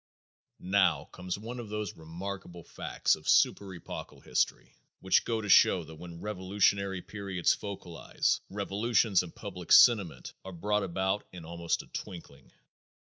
"Now comes one of those remarkable facts of super epochal history," continues Bonsall, "which go to show that when revolutionary periods focalize, revolutions in public sentiment are brought about in almost a twinkling.